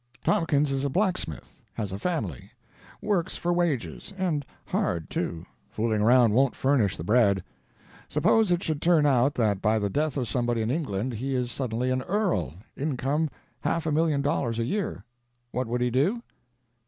Tompkins is a blacksmith; has a family; works for wages; and hard, too—fooling around won't furnish the bread. Suppose it should turn out that by the death of somebody in England he is suddenly an earl—income, half a million dollars a year. What would he do?"